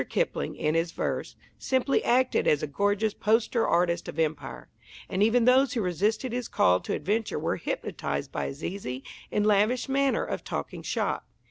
Kipling, in his verse, simply acted as a gorgeous poster artist of Empire. And even those who resisted his call to adventure were hypnotized by his easy and lavish manner of talking "shop."